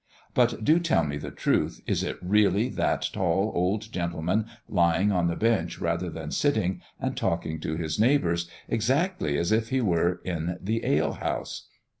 But do tell me the truth, is it really that tall old gentleman, lying on the bench rather than sitting, and talking to his neighbours, exactly as if he were in the ale house?